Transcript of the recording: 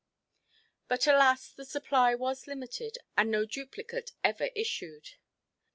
But alas! the supply was limited, and no duplicate ever issued.